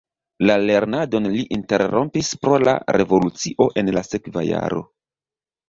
La lernadon li interrompis pro la revolucio en la sekva jaro.